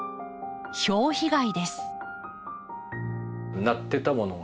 ひょう被害です。